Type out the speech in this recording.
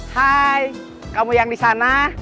hai kamu yang di sana